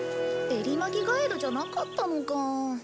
エリマキガエルじゃなかったのか。